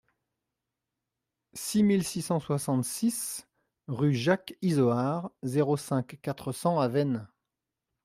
six mille six cent soixante-six rue Jacques Isoard, zéro cinq, quatre cents à Veynes